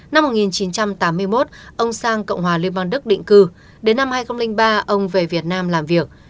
năm một nghìn chín trăm tám mươi một ông sang cộng hòa liên bang đức định cư đến năm hai nghìn ba ông về việt nam làm việc